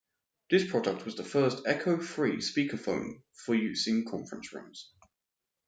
This product was the first "echo-free" speakerphone for use in conference rooms.